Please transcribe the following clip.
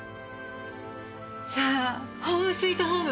じゃあホームスイートホーム！